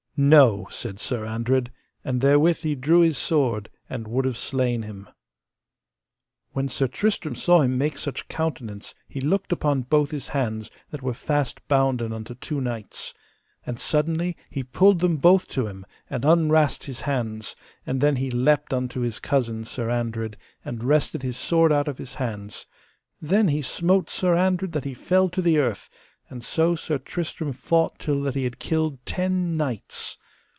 No! said Sir Andred, and therewith he drew his sword, and would have slain him. When Sir Tristram saw him make such countenance he looked upon both his hands that were fast bounden unto two knights, and suddenly he pulled them both to him, and unwrast his hands, and then he leapt unto his cousin, Sir Andred, and wrested his sword out of his hands; then he smote Sir Andred that he fell to the earth, and so Sir Tristram fought till that he had killed ten knights.